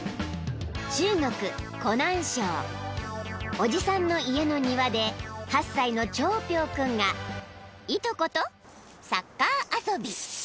［おじさんの家の庭で８歳の張彪君がいとことサッカー遊び］